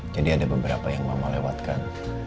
jadi ada beberapa yang mama lewatkan